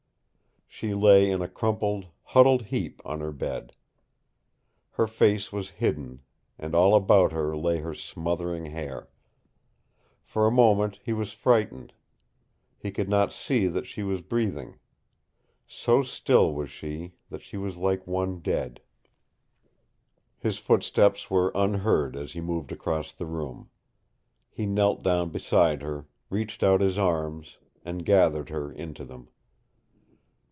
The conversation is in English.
She lay in a crumpled, huddled heap on her bed. Her face was hidden, and all about her lay her smothering hair. For a moment he was frightened. He could not see that she was breathing. So still was she that she was like one dead. His footsteps were unheard as he moved across the room. He knelt down beside her, reached out his arms, and gathered her into them.